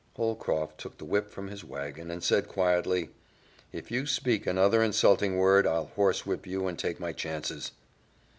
Holcroft took the whip from his wagon and said quietly, "If you speak another insulting word, I'll horsewhip you and take my chances."